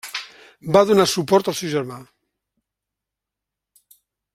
Va donar suport al seu germà.